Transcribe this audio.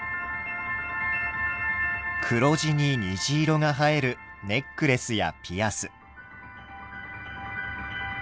黒地に虹色が映えるネックレスやピアス。